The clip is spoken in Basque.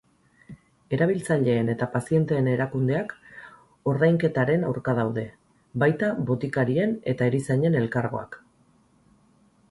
Erabiltzaileen eta pazienteen erakundeak ordainketaren aurka daude, baita botikarien eta erizainen elkargoak.